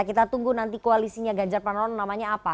kita tunggu nanti koalisinya ganjar pranowo namanya apa